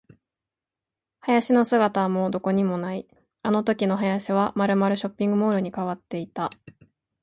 林の姿はもうどこにもない。あのときの林はまるまるショッピングモールに変わっていた。